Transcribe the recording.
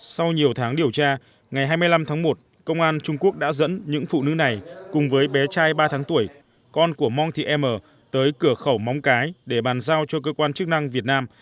sau nhiều tháng điều tra ngày hai mươi năm tháng một công an trung quốc đã dẫn những phụ nữ này cùng với bé trai ba tháng tuổi con của mong thị em tới cửa khẩu móng cái để bàn giao cho cơ quan chức năng việt nam